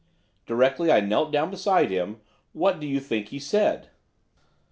Directly I knelt down beside him, what do you think he said?